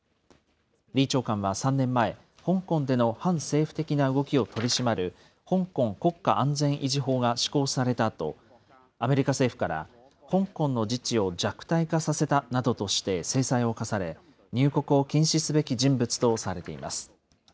李長官は３年前、香港での反政府的な動きを取り締まる香港国家安全維持法が施行されたあと、アメリカ政府から香港の自治を弱体化させたなどとして、制裁を科され、入国を禁止すべき人物とされています。